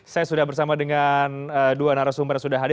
saya sudah bersama dengan dua narasumber yang sudah hadir